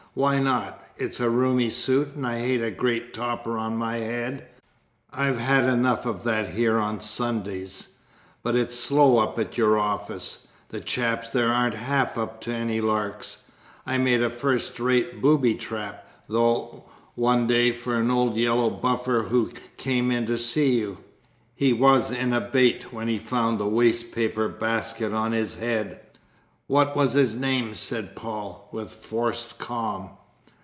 "Why not? It's a roomy suit, and I hate a great topper on my head; I've had enough of that here on Sundays. But it's slow up at your office. The chaps there aren't half up to any larks. I made a first rate booby trap, though, one day for an old yellow buffer who came in to see you. He was in a bait when he found the waste paper basket on his head!" "What was his name?" said Paul, with forced calm.